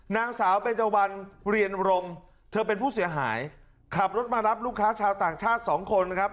นางสาวเบจวันเรียนรมเธอเป็นผู้เสียหายขับรถมารับลูกค้าชาวต่างชาติสองคนนะครับ